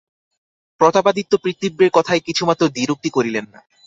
প্রতাপাদিত্য পিতৃব্যের কথায় কিছুমাত্র দ্বিরুক্তি করিলেন না।